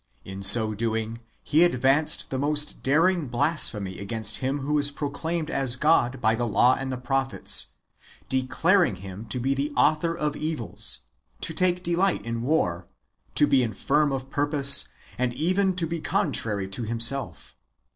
In so doing, he advanced the most daring blas phemy against Him who is proclaimed as God by the law and the prophets, declaring Him to be the author of evils, to take delight in war, to be infirm of purpose, and even to be contrary to Himself.